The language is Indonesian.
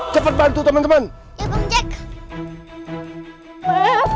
tidak apa apa tolong mukain rafa